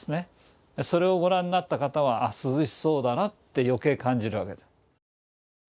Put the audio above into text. それをご覧になった方は「涼しそうだな」ってよけい感じるわけです。